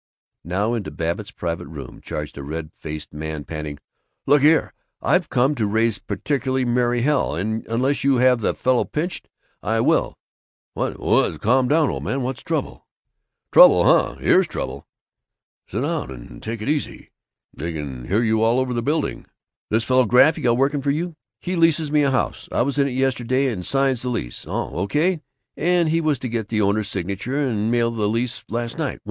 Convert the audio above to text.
Now into Babbitt's private room charged a red faced man, panting, "Look here! I've come to raise particular merry hell, and unless you have that fellow pinched, I will!" "What's Calm down, o' man. What's trouble?" "Trouble! Huh! Here's the trouble " "Sit down and take it easy! They can hear you all over the building!" "This fellow Graff you got working for you, he leases me a house. I was in yesterday and signs the lease, all O.K., and he was to get the owner's signature and mail me the lease last night.